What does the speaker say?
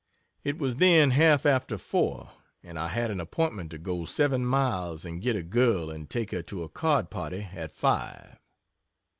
It was then half after four and I had an appointment to go seven miles and get a girl and take her to a card party at five.